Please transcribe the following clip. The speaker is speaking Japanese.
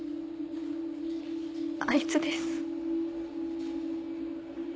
あいつです。